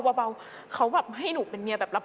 เบาเขาแบบให้หนูเป็นเมียแบบรับ